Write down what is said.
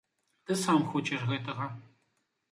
Ты сам хочаш гэтага.